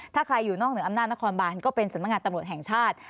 ถ้าใครอยู่นอกเหนืออำนาจนครบานก็เป็นสำนักงานตำรวจแห่งชาติ